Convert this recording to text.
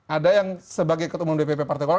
ada yang sebagai ketua umum dpp partai golkar